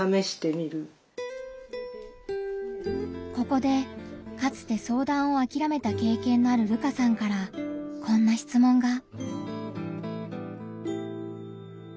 ここでかつて相談をあきらめた経験のある瑠花さんからこんな質問が。